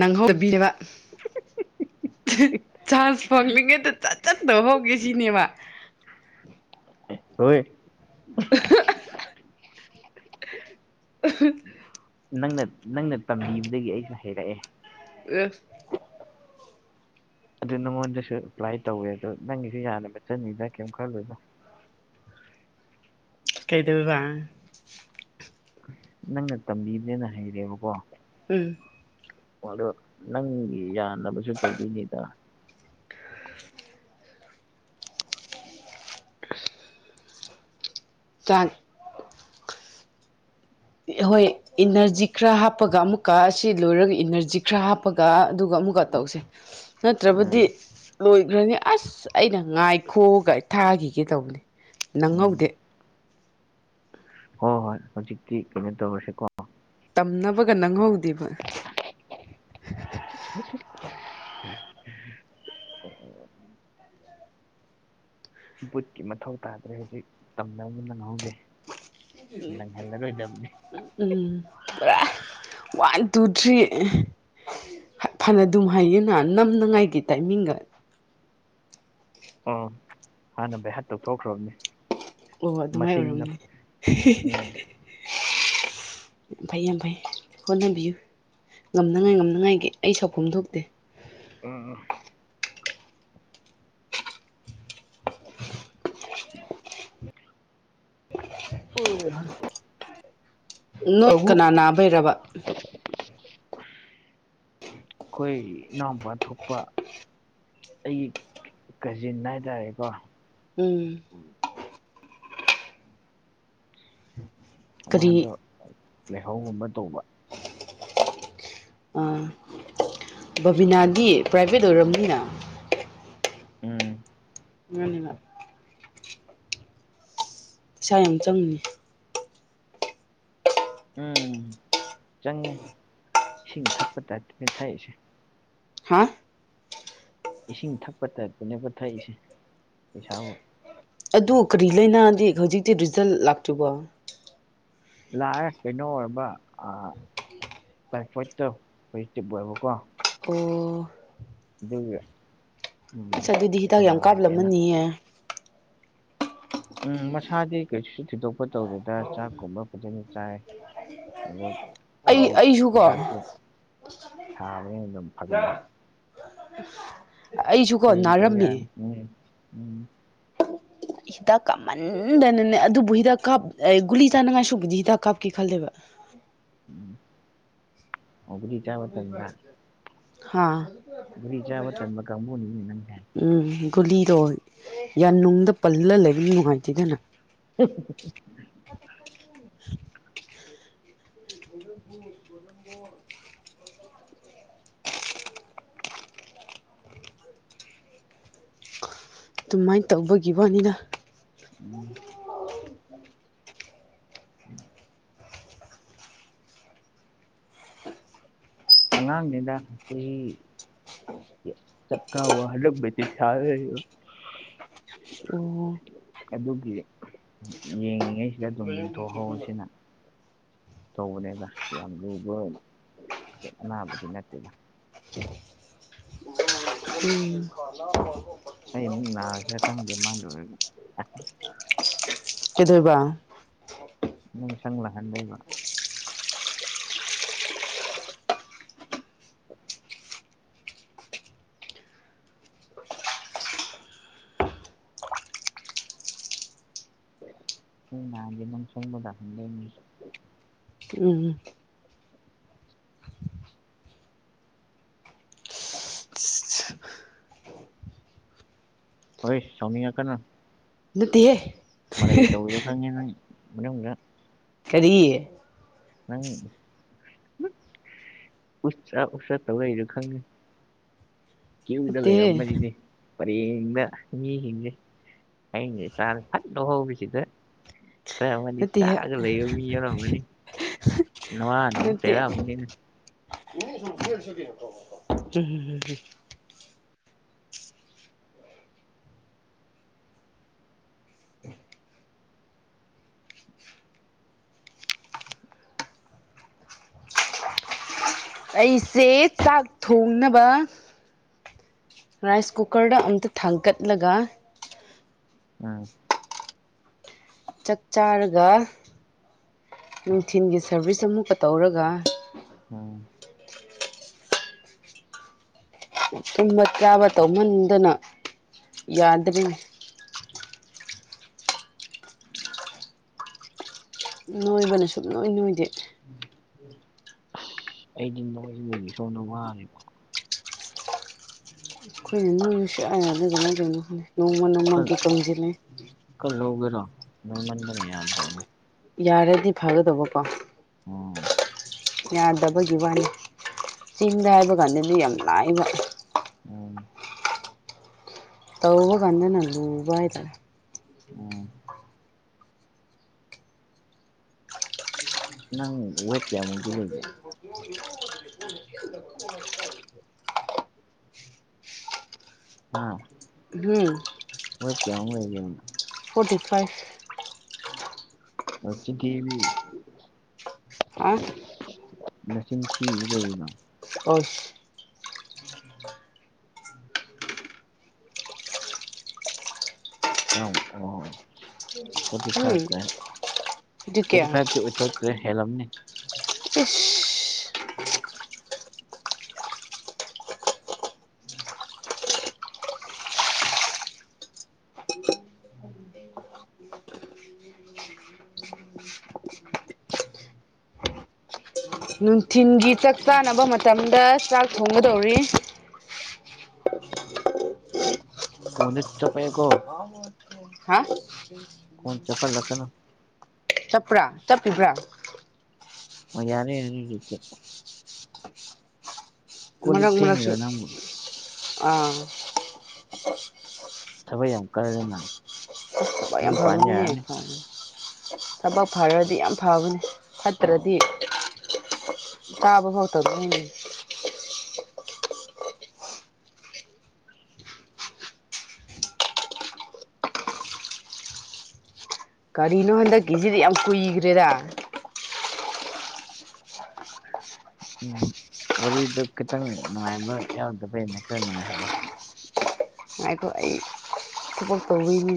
ꯅꯪꯍꯧꯗꯕꯤꯅ‌ꯦꯕ chance ꯐꯪꯂꯤꯉꯩꯗ ꯆꯠ ꯆꯠꯇꯕ [unintelligible] ꯍꯧꯒꯦ ꯁꯤꯅꯦꯕ ꯍꯣꯏ [unintelligible] ꯑꯍꯨ [unintelligible] ꯅꯪꯅ ꯅꯪꯅ ꯇꯝꯕꯤꯕꯗꯒꯤ ꯑꯩꯁꯨ ꯍꯩꯔꯛꯑꯦ ꯑꯦꯁ ꯑꯗꯨ ꯅꯉꯣꯟꯗꯁꯨ ꯑꯦꯄ꯭ꯂꯥꯏ ꯇꯧꯋꯦ ꯑꯗꯨ ꯅꯪꯒꯤꯁꯨ ꯌꯥꯅꯕ ꯆꯠꯅꯤꯗ ꯀꯩꯝ ꯈꯜꯂꯨꯅꯣ ꯀꯩꯗꯧꯏꯕ ꯅꯪꯅ ꯇꯝꯕꯤꯕꯅꯦꯅ ꯍꯩꯔꯦꯕꯀꯣ ꯎꯝ ꯑꯗꯣ [unintelligible] ꯅꯪꯒꯤ ꯌꯥꯅꯕꯁꯨ ꯇꯧꯕꯤꯅꯤꯗ [unintelligible] ꯆꯥꯔ ꯍꯣꯏ [unintelligible] ꯏꯅꯔꯖꯤ ꯈꯔ ꯍꯥꯞꯄꯒ ꯑꯃꯨꯛꯀ ꯁꯤ ꯂꯣꯏꯔꯒ ꯏꯅꯔꯖꯤ ꯈꯔ ꯍꯥꯞꯄꯒ ꯑꯗꯨꯒ ꯑꯃꯨꯛꯀ ꯇꯧꯁꯦ [inaudible] ꯅꯠꯇ꯭ꯔꯕꯨꯗꯤ ꯎꯝ ꯂꯣꯏꯒ꯭ꯔꯅꯤ ꯑꯏꯁ ꯑꯩꯅ ꯉꯥꯏꯈꯣ ꯀꯥꯏ ꯊꯥꯈꯤꯒꯦ ꯇꯧꯕꯅꯤ ꯎꯝ ꯅꯪꯍꯧꯗꯦ ꯍꯣꯏ ꯍꯣꯏ ꯍꯧꯖꯤꯛꯇꯤ ꯀꯩꯅꯣ ꯇꯧꯔꯁꯤꯀꯣ ꯇꯝꯅꯕꯒꯥ ꯅꯪꯍꯧꯗꯦꯕ [unintelligible] ꯕꯨꯠꯀꯤ ꯃꯊꯧ ꯇꯥꯗ꯭ꯔꯦ ꯍꯧꯖꯤꯛ ꯇꯝꯅꯕ ꯅꯪꯍꯧꯗꯦ ꯅꯪꯍꯜꯂꯔꯣꯏꯗꯕꯅꯤ [unintelligible] ꯎꯝ ꯄꯨꯔꯥ ꯋꯥꯟ ꯇꯨ ꯊ꯭ꯔꯤ ꯐꯥꯅꯗꯨꯝ ꯍꯥꯏꯩꯌꯦꯅ ꯅꯝꯅꯤꯉꯥꯏꯒꯤ ꯇꯥꯏꯃꯤꯡꯒꯥ ꯑꯥ ꯍꯥꯟꯅ ꯚꯩꯍꯥꯠ ꯇꯧꯊꯣꯛꯈ꯭ꯔꯕꯅꯤ ꯑꯣ ꯑꯗꯨꯃꯥꯏ ꯃꯁꯤꯡꯗꯣ ꯑꯣꯏꯔꯝꯅꯤ ꯎꯝ ꯐꯩ ꯌꯥꯝ ꯐꯩ ꯍꯣꯠꯅꯕꯤꯌꯨ ꯉꯝꯅꯉꯥꯏ ꯉꯝꯅꯉꯥꯏꯒꯤ ꯑꯩ ꯁꯥꯎꯐꯝ ꯊꯣꯛꯇꯦ ꯑꯥ ꯑꯥ [unintelligible] [unintelligible] ꯑꯃꯨꯛ ꯅꯣꯠ ꯀꯅꯥ ꯑꯩꯈꯣꯏ ꯅꯥꯕꯩꯔꯕ ꯑꯩꯈꯣꯏ ꯏꯅꯥꯎꯄꯥ ꯊꯣꯛꯄ ꯑꯩꯒꯤ ꯀꯥꯖꯤꯟ ꯍꯥꯏꯇꯥꯔꯦꯀꯣ ꯎꯝ ꯃꯥꯗꯣ ꯀꯔꯤ ꯂꯥꯏꯍꯧꯒꯨꯝꯕ ꯇꯧꯕ ꯑꯥ ꯕꯕꯤꯅꯥꯗꯤ ꯄ꯭ꯔꯥꯏꯚꯦꯠ ꯑꯣꯏꯔꯝꯅꯤꯅ ꯎꯝ ꯃꯥꯅꯤꯕ ꯄꯩꯁꯥ ꯌꯥꯝ ꯆꯪꯉꯅꯤ ꯎꯝ ꯆꯪꯉꯦ ꯏꯁꯤꯡ ꯊꯛꯄ ꯇꯥꯏꯞꯇꯥꯅꯤ ꯊꯛꯏꯁꯦ ꯍꯥ ꯏꯁꯤꯡ ꯊꯛꯄ ꯇꯥꯏꯞꯇꯥꯅꯦꯕ ꯊꯛꯏꯁꯦ ꯄꯩꯁꯥꯕꯨ ꯑꯗꯨ ꯀꯔꯤ ꯂꯩꯅꯥꯗꯤ ꯍꯧꯖꯤꯛꯇꯤ ꯔꯤꯖꯜ ꯂꯥꯛꯇ꯭ꯔꯤꯕꯣ ꯂꯥꯛꯑꯦ ꯀꯩꯅꯣ ꯑꯣꯏꯔꯕ ꯑꯥ ꯇꯥꯏꯄꯣꯏꯠꯇꯣ ꯄꯣꯖꯤꯇꯤꯕ ꯑꯣꯏꯕꯀꯣ ꯑꯣ ꯑꯗꯨꯒꯤ ꯎꯝ ꯑꯁ ꯑꯗꯨꯗꯤ ꯍꯤꯗꯥꯛ ꯁꯨꯝ ꯌꯥꯝ ꯅꯨꯡꯉꯥꯏꯇꯦꯅ ꯀꯥꯞꯂꯝꯃꯅꯤꯌꯦ ꯎꯝ ꯃꯁꯥꯗꯤ ꯀꯩꯁꯨ ꯊꯤꯗꯣꯛꯄ ꯇꯧꯗꯦꯗꯥ ꯆꯥꯛꯀꯨꯝꯕ ꯐꯖꯅ ꯆꯥꯏ ꯍꯥꯂꯣ ꯑꯩ ꯑꯩꯁꯨꯀꯣ ꯊꯥꯕꯅꯦ ꯑꯗꯨꯝ ꯐꯒꯠꯂꯦ [unintelligible] ꯑꯩꯁꯨꯀꯣ ꯍꯌꯦꯡ ꯇꯧ ꯌꯥꯅꯤ ꯅꯥꯔꯝꯃꯦ ꯎꯝ ꯍꯤꯗꯥꯛ ꯀꯥꯞꯃꯟꯗꯥꯅꯅꯦ ꯑꯗꯨꯕꯨ ꯍꯤꯗꯥꯛ ꯀꯥꯞ ꯒꯨꯂꯤ ꯆꯥꯅꯉꯥꯏꯁꯨꯕꯨꯗꯤ ꯍꯤꯗꯥꯛ ꯀꯥꯞꯀꯦ ꯈꯜꯂꯦꯕ ꯎꯝ ꯑꯣꯒꯨꯂꯤ ꯆꯥꯕ ꯍꯥꯥ ꯒꯨꯔꯤ ꯆꯥꯕ ꯇꯟꯕ ꯀꯥꯡꯕꯨꯅꯤꯅ ꯅꯪꯖꯦ ꯎꯝ ꯒꯨꯂꯤꯗꯣ ꯌꯥꯅꯨꯡꯗꯥ ꯄꯜꯂ ꯂꯩꯕ ꯅꯨꯡꯉꯥꯏꯇꯦꯗꯅ [unintelligible] [unintelligible] ꯑꯗꯨꯃꯥꯏꯟ ꯇꯧꯕꯒꯤ ꯋꯥꯅꯤꯗꯥ [unintelligible] [unintelligible] ꯑꯉꯥꯡꯅꯤꯗꯥ ꯆꯍꯤ ꯆꯠ ꯍꯂꯗꯤ ꯊꯌꯥ ꯑꯣ ꯎꯝ ꯑꯗꯨꯒꯤ ꯌꯦꯡꯉꯤꯉꯩꯁꯤꯗ ꯑꯗꯨꯝ ꯌꯦꯡꯊꯣꯛꯍꯧꯁꯤꯅ ꯇꯧꯕꯅꯦꯕ ꯌꯥꯝ ꯂꯨꯕ ꯑꯅꯥꯕꯗꯤ ꯅꯠꯇꯦꯗ [unintelligible] ꯑꯩ ꯃꯟꯅ ꯍꯦ ꯇꯪꯗꯦ ꯃꯥ ꯀꯊꯣꯏꯕ ꯅꯪ ꯁꯪꯂ ꯍꯥꯟꯗꯥꯏꯃ [unintelligible] ꯍꯅ ꯃꯣꯟ ꯆꯪꯕꯣꯗꯝꯗ ꯃꯤ ꯎꯝ ꯍꯣꯏ ꯁꯥꯎꯃꯤꯌꯥ ꯀꯅꯥ ꯅꯠꯇꯤꯍꯦ ꯃꯔꯥꯏ ꯗꯎꯏ ꯌꯎ ꯈꯪꯉꯦꯅ ꯃꯅ ꯃ꯭ꯔꯦ ꯀꯔꯤꯌꯦ ꯪ ꯎꯁ ꯎꯁꯥ ꯇꯥꯎ ꯂꯩꯥꯏꯔ ꯈꯪꯅꯤ ꯀ ꯂꯩ ꯅꯠꯇꯦꯍꯦ ꯑꯅꯤꯅꯦ ꯄꯔꯦꯡꯗ ꯃꯤꯁꯤꯡꯁꯦ ꯍꯌꯦꯡꯁꯦ ꯆꯥꯅ ꯐꯠꯅ ꯍꯧꯕꯧꯕꯤꯁꯤꯗ ꯈꯔ ꯑꯃꯅꯤꯅꯤ ꯅꯠꯇꯦꯍꯦ ꯆꯥꯒ ꯂꯩꯕ ꯃꯤ ꯌꯥꯎꯔꯝꯒꯅꯤ ꯅꯅꯨꯡꯉꯅꯅꯨꯡ ꯅꯠꯇꯦ ꯆꯔꯅꯤꯅꯦ [unintelligible] ꯎ ꯑꯩꯁꯦ ꯆꯥꯛ ꯊꯣꯡꯅꯕ ꯔꯥꯏꯁ ꯀꯨꯀꯔꯗ ꯑꯝꯇ ꯊꯥꯡꯀꯠꯂꯒ ꯎꯝ ꯆꯥꯛ ꯆꯥꯔꯒ ꯅꯨꯡꯊꯤꯜꯒꯤ ꯁꯥꯔꯚꯤꯁ ꯑꯃꯨꯛꯀ ꯇꯧꯔꯒ ꯑꯣꯝ ꯇꯨꯝꯕ ꯆꯥꯕ ꯇꯧꯍꯟꯗꯅ ꯌꯥꯗꯕꯅꯤ ꯅꯣꯏꯕꯅ ꯁꯨꯡ ꯂꯣꯏ ꯅꯣꯏꯗꯦ ꯑꯩꯗꯤ ꯅꯣꯏꯁꯤ ꯅꯨ ꯁꯣꯗ ꯋꯥꯔꯦꯀꯣ ꯑꯩꯈꯣꯏꯅ ꯅꯣꯡꯒꯤꯁ ꯑꯥꯏꯌꯥꯗ ꯀꯃꯥꯏꯅꯗꯧꯅꯣ ꯈꯜꯂꯦ ꯅꯣꯡꯃ ꯅꯣꯡꯃꯒꯤ ꯇꯝꯁꯤꯜꯂꯦ ꯀꯜꯂꯣꯒꯦꯔꯣ ꯅ ꯃꯟꯗꯅꯤ ꯌꯥꯗ ꯌꯥꯔꯗꯤ ꯐꯒꯗꯧꯕ ꯀꯣ ꯑꯣ ꯌꯥꯗꯕꯒꯤ ꯋꯥꯅꯤ ꯆꯤꯡꯗ ꯍꯥꯏꯕ ꯀꯥꯟꯗꯗꯤ ꯌꯥꯝ ꯂꯥꯏꯕ ꯑꯣꯝ ꯇꯧꯕ ꯀꯥꯟꯗ ꯅꯪ ꯂꯨꯕ ꯍꯥꯏꯇꯥꯔꯦ ꯎꯝ ꯅꯪ ꯋꯦꯠ ꯀꯌꯥꯃꯨꯛꯇꯤ ꯂꯩꯕꯦ ꯑꯥ ꯎꯝ ꯍꯣꯏꯀꯦ ꯌꯦꯅ ꯐꯣꯔꯇꯤ ꯐꯥꯏꯚ ꯍꯧꯆ ꯀ ꯍꯥ ꯃꯆꯅ ꯊꯤ ꯂꯩꯅ ꯑ ꯑꯣ ꯐꯣꯔꯇꯤ ꯎꯝ ꯐꯥꯏꯚ ꯀ ꯑꯗꯨ ꯐꯣꯔꯇꯤ ꯀꯌꯥ ꯐꯚ ꯑꯣꯏꯊ ꯍꯦꯜꯂꯝꯅꯤ ꯎ ꯎ ꯎ ꯅꯨꯡꯊꯤꯤꯟꯒꯤ ꯆꯥꯛ ꯆꯥꯅꯕ ꯃꯇꯝꯗ ꯆꯥꯛ ꯊꯣꯡꯒꯗꯧꯔꯤ ꯐꯣꯟꯣꯟ ꯆ ꯆꯞꯄꯦꯀꯣ ꯍꯥꯎ ꯍ ꯀꯣꯟ ꯆꯄꯜꯂꯛ ꯀꯅꯣ ꯆꯠꯄ꯭ꯔꯥ ꯆꯠꯄꯤꯕ꯭ꯔꯥ ꯌꯥꯔꯦ ꯌꯥꯅꯤ ꯅꯤꯡꯆꯦꯞꯄꯣ ꯀꯣꯜ ꯂꯤꯛ ꯃꯔꯛ ꯃꯔꯛ ꯁꯨ ꯐꯦꯡꯉꯤꯔꯣ ꯅꯪꯕꯨ ꯑꯥ ꯊꯕꯛ ꯌꯥꯝ ꯀꯜꯂ ꯃꯥꯜꯂꯦ ꯆ ꯄ ꯌꯥꯝ ꯐꯕꯅꯤ ꯑꯩꯈꯣꯏ ꯊꯕꯛ ꯐꯔꯗꯤ ꯌꯥꯝ ꯐꯕꯅꯦ ꯐꯠꯇ꯭ꯔꯗꯤ ꯇꯥꯕ ꯍ ꯇ ꯑꯗꯨꯅꯦ ꯀꯔꯤꯅꯣ ꯍꯟꯗꯛꯀꯤꯁꯤꯗꯤ ꯌꯥꯝ ꯀꯨꯏꯈ꯭ꯔꯦꯗ ꯎꯝ ꯋꯥꯔꯤꯗꯨ ꯈꯤꯇꯪ ꯅꯨꯡꯉꯥꯏꯕ ꯌꯥꯎꯗꯕꯩꯅꯦ ꯈꯔ ꯅꯨꯡꯉꯥꯏꯍꯜꯂꯣ ꯉꯥꯏꯈꯣ ꯑꯩ ꯊꯕꯛ ꯇꯧꯔꯤꯅꯦ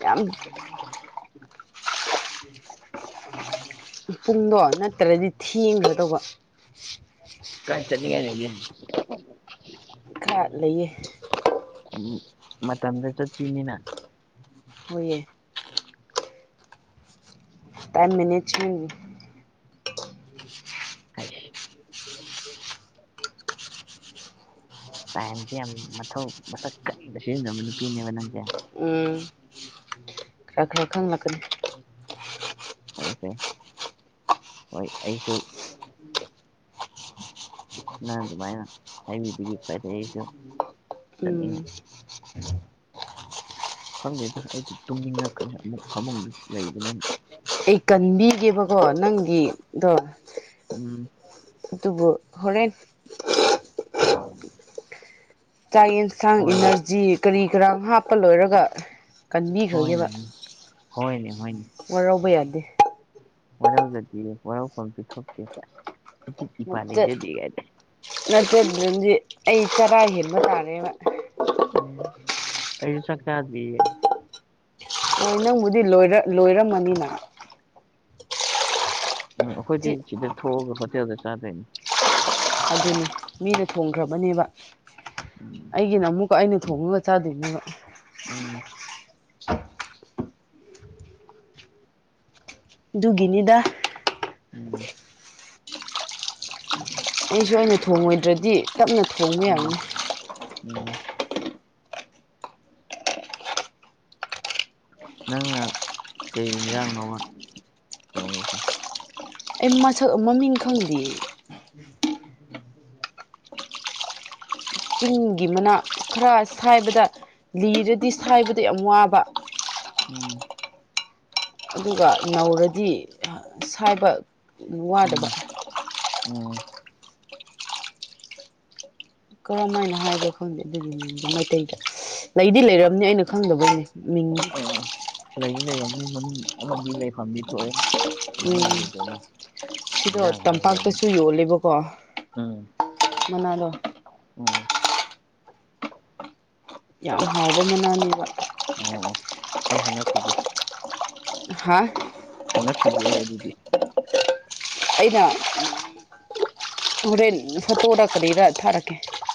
ꯌꯥꯝ ꯎꯝ ꯄꯨꯡꯗꯣ ꯅꯠꯇ꯭ꯔꯗꯤ ꯊꯦꯡꯒ꯭ꯔ ꯇꯧꯕ ꯀꯥꯏ ꯆꯠꯅꯤꯉꯥꯏ ꯂꯩꯒꯦ ꯈꯥ ꯂꯩꯌꯦ ꯎꯝ ꯃꯇꯝꯗ ꯆꯠ ꯄꯤꯅꯤꯅ ꯍꯣꯏꯌꯦ ꯇꯥꯏꯝ ꯃꯦꯅꯦꯖꯃꯦꯟꯠ ꯍꯥꯏ ꯇꯥꯏꯝꯁꯦ ꯌꯥꯝ ꯃꯊꯧ ꯃꯁꯛ ꯈꯪꯅ ꯁꯤꯖꯤꯟꯅꯕ ꯅꯨꯄꯤꯅꯦꯕ ꯅꯪꯁꯦ ꯎꯝ ꯈꯔꯥ ꯈꯔ ꯈꯪꯂꯒ ꯑꯩꯁꯦ ꯍꯣꯏ ꯑꯩꯁꯨ ꯅꯪ ꯑꯗꯨꯃꯥꯏꯅ ꯍꯥꯏꯕꯤꯕꯒꯤ ꯐꯔꯦ ꯑꯩꯁꯨ ꯎꯝ ꯆꯠꯅꯤꯡꯉꯅꯤ ꯈꯪꯗꯦꯗ ꯑꯩꯗꯤ ꯇꯨꯝꯅꯤꯡꯉꯛ ꯀ ꯑꯃꯨꯛ ꯐꯃꯨꯡ ꯂꯩꯕꯅꯦꯅ ꯑꯩ ꯀꯟꯕꯤꯒꯦꯕꯀꯣ ꯅꯪꯒꯤꯗꯣ ꯎꯝ ꯑꯗꯨꯕꯨ ꯍꯣꯔꯦꯟ ꯆꯥꯛ ꯌꯦꯟꯁꯥꯡ ꯍꯣꯏꯅꯦ ꯏꯅꯔꯖꯤ ꯀꯔꯤ ꯀꯔꯥꯡ ꯍꯥꯞꯄ ꯂꯣꯏꯔꯒ ꯍꯣꯏꯅꯦ ꯀꯟꯕꯤꯈ꯭ꯔꯒꯦꯕ ꯍꯣꯏꯅꯦ ꯍꯣꯢꯅꯦ ꯋꯥꯔꯧꯕ ꯌꯥꯗꯦ ꯋꯥꯔꯧꯖꯗꯦ ꯋꯥꯔꯧꯐꯝꯁꯨ ꯊꯣꯛꯇꯦ ꯏꯇꯤꯛ ꯏꯄꯥ ꯂꯩꯖꯗꯦ ꯀꯥꯏꯅ ꯅꯠꯇꯗꯨꯗꯗꯤ ꯑꯩ ꯆꯔꯥ ꯍꯦꯟꯕ ꯇꯥꯔꯦꯕ ꯎꯝ ꯑꯩꯩꯁꯨ ꯆꯥꯛꯆꯥꯗ꯭ꯔꯤꯌꯦ ꯍꯣꯏ ꯅꯪꯕꯨꯗꯤ ꯂꯣꯏꯔꯝꯃꯅꯤꯅ ꯎꯝ ꯆꯤ ꯑꯩꯈꯣꯏꯗꯤ ꯁꯤꯗ ꯊꯣꯛꯑꯒ ꯍꯣꯇꯦꯜꯗ ꯆꯥꯗꯣꯏꯅꯤ ꯑꯗꯨꯅꯤ ꯃꯤꯅ ꯊꯣꯡꯈ꯭ꯔꯕꯅꯦꯕ ꯎꯝ ꯑꯩꯒꯤꯅ ꯑꯃꯨꯛ ꯀ ꯑꯩꯅ ꯊꯣꯡꯉꯒ ꯆꯥꯗꯣꯏꯅꯦꯕ ꯎꯝ ꯗꯨꯒꯤꯅꯤꯗ ꯎꯝ ꯑꯩꯁꯨ ꯑ ꯑꯣꯏꯅ ꯊꯣꯡꯉꯣꯏꯗ꯭ꯔꯗꯤ ꯇꯞꯅ ꯊꯣꯡꯕ ꯎꯝ ꯌꯥꯅꯤ ꯎꯝ ꯅꯪꯅ ꯀꯩ ꯢꯟꯖꯥꯡꯅꯣ ꯊꯣꯡꯗꯣꯏꯁꯦ ꯑꯩ ꯃꯁꯛ ꯃꯃꯤꯡ ꯈꯪꯗꯤꯌꯦ ꯑꯗꯨ [unintelligible] ꯆꯤꯡꯒꯤ ꯃꯅꯥ ꯈꯔ ꯁꯥꯏꯕꯗ ꯂꯤꯔꯗꯤ ꯁꯥꯏꯕꯗ ꯌꯥꯝ ꯋꯥꯕ ꯎꯝ ꯑꯗꯨꯒ ꯅꯧꯔꯗꯤ ꯁꯥꯏꯕ ꯎꯝ ꯋꯥꯗꯕ ꯎꯝ ꯀꯔꯝ ꯍꯥꯏꯅ ꯍꯥꯏꯕꯅ‌ꯣ ꯈꯪꯗꯦ ꯑꯗꯨꯒꯤꯅ‌ꯦ ꯃꯩꯇꯩꯗ ꯂꯩꯗꯤ ꯂꯩꯔꯝꯅꯤ ꯑꯩꯅ ꯈꯪꯗꯕꯩꯅꯤ ꯑ ꯂꯩꯗꯤ ꯂꯩꯔꯝꯅꯤ ꯃꯃꯤꯡ ꯑꯃꯗꯤ ꯂꯩꯐꯝꯗꯤ ꯊꯣꯛꯑꯦ ꯀꯃꯥꯏꯅ ꯎꯝ ꯂꯩꯔꯣꯏꯗꯣꯏꯅꯣ ꯑꯗ‌ꯣ ꯏꯟꯖꯥꯡ ꯍꯥꯏꯕꯒ ꯑꯃ ꯇꯝꯄꯥꯛꯇꯁꯨ ꯌꯣꯜꯂꯦꯕ ꯀꯣ ꯎꯝ ꯃꯅꯥꯗꯣ ꯎꯝ ꯌꯥꯝ ꯍꯥꯎꯕ ꯃꯅꯥꯅꯦꯕ ꯑꯣ ꯑꯩ ꯍꯪꯉꯛꯈꯤꯒꯦ ꯍꯥꯥ ꯍꯪꯉꯛꯈꯤꯒꯦ ꯑꯗꯨꯗꯤ ꯑꯩꯅ ꯍꯣꯔꯦꯟ ꯐꯣꯇꯣꯔ ꯀꯔꯤꯔ ꯊꯥꯔꯛꯀꯦ